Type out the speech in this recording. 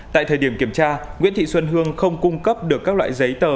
tại thời điểm kiểm tra nguyễn thị xuân hương không cung cấp được các loại giấy tờ